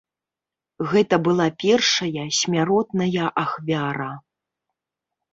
Гэта была першая смяротная ахвяра.